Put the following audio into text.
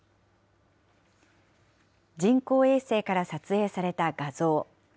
人工衛星から撮影された画像。